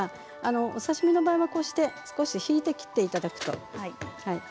お刺身の場合はちょっと引いて切っていただく。